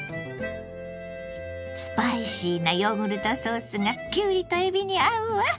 スパイシーなヨーグルトソースがきゅうりとえびに合うわ。